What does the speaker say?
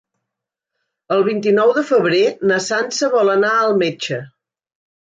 El vint-i-nou de febrer na Sança vol anar al metge.